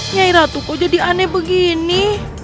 nyai ratu kok jadi aneh begini